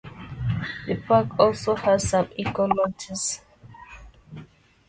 The park also has some eco lodges.